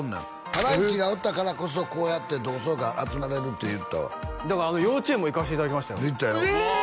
ハライチがおったからこそこうやって同窓会集められるって言ってたわだから幼稚園も行かしていただきましたよええ！